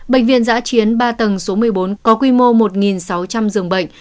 bệnh viện giã chiến ba tầng số một mươi bốn có quy mô một sáu trăm linh giường bệnh